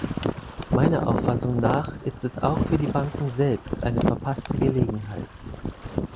Meiner Auffassung nach ist es auch für die Banken selbst eine verpasste Gelegenheit.